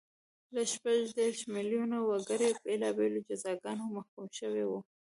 له شپږ دېرش میلیونه وګړي بېلابېلو جزاګانو محکوم شوي وو